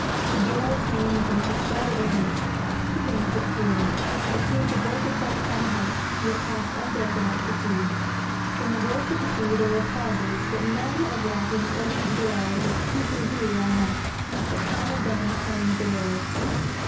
The gale came with an indescribable haste, hooting as it flew; it seemed to break itself upon the heights, yet passed unbroken out to sea; in the voice of the sea there were pauses, but none in that of the urgent gale with its hoo hoo hoo all night, that clamoured down the calling of the waves.